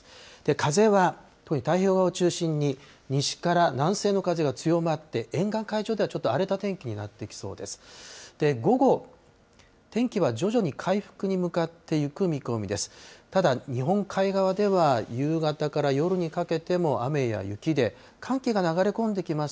風は特に太平洋側を中心に西から南西の風が強まって、沿岸海上ではちょっと荒れた天気になってきそうです。